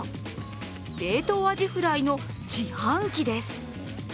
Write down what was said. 冷凍アジフライの自販機です。